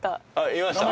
「いました？」